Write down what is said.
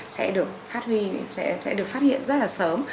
sẽ được phát huy sẽ được phát hiện rất là sớm